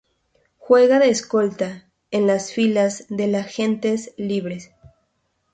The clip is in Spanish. Juega de escolta en las filas del Agentes Libres.